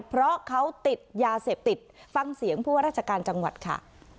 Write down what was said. เพราะเขาติดยาเสพติดฟังเสียงผู้ว่าราชการจังหวัดค่ะ